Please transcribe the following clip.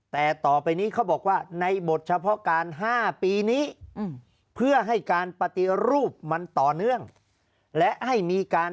แต่ต่อไปนี้เขาบอกว่าในบทเฉพาะการ๕ปีนี้เพื่อให้การปฏิรูปมันต่อเนื่องและให้มีการ